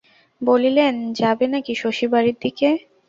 বলিলেন, যাবে নাকি শশী বাড়ির দিকে?